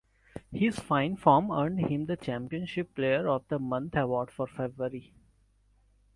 His fine form earned him the Championship Player of the Month award for February.